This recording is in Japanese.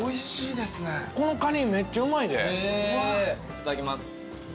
いただきます。